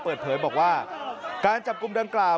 เปิดเผยบอกว่าการจับกลุ่มดังกล่าว